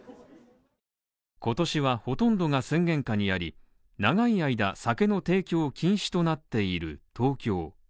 今年はほとんどが宣言下にあり長い間、酒の提供禁止となっている東京。